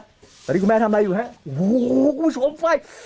ตอนนี้คุณแม่ทำอะไรอยู่ฮะโอ้โหคุณผู้ชมไฟ